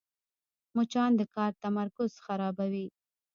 مچان د کار تمرکز خرابوي